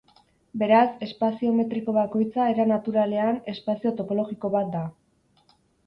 Beraz, espazio metriko bakoitza, era naturalean, espazio topologiko bat da.